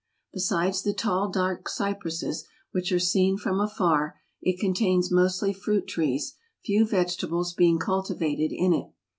Besides the tall dark cypresses which are seen from afar, it contains mostly fruit trees, few vegetables being cultivated in it.